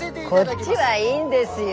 こっちはいいんですよ。